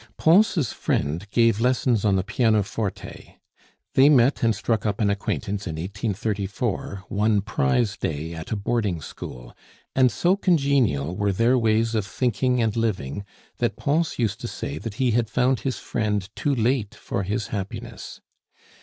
Pons' friend gave lessons on the pianoforte. They met and struck up an acquaintance in 1834, one prize day at a boarding school; and so congenial were their ways of thinking and living, that Pons used to say that he had found his friend too late for his happiness.